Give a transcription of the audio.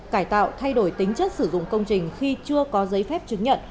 cải tạo thay đổi tính chất sử dụng công trình khi chưa có giấy phép chứng nhận